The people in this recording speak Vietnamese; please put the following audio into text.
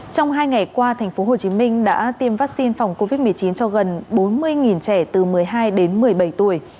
trong hai ngày qua tp hcm đã tiêm vaccine phòng covid một mươi chín cho gần bốn mươi trẻ từ một mươi hai đến một mươi bảy tuổi